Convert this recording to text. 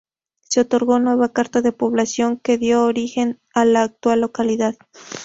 Se otorgó nueva carta de población que dio origen a la actual localidad.